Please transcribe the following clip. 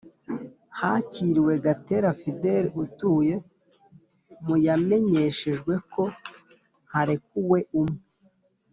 hakiriwe Gatera Fidel utuye mu Yamenyeshejwe ko harekuwe umwe